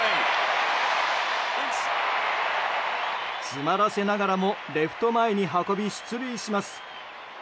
詰まらせながらもレフト前に運び出塁します。